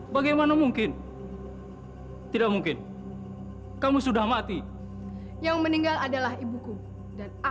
bota ijo bota kuning bota biru hembuskan nafas kalian ke perut sumarna